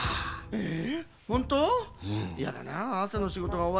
ええ。